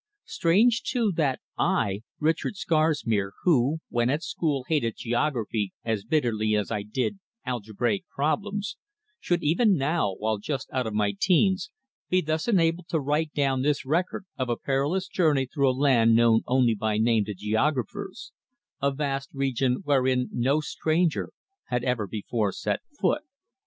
Strange, too, that I, Richard Scarsmere, who, when at school hated geography as bitterly as I did algebraic problems, should even now, while just out of my teens, be thus enabled to write down this record of a perilous journey through a land known only by name to geographers, a vast region wherein no stranger had ever before set foot.